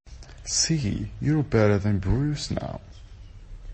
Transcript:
See! You’re better than Bruce now.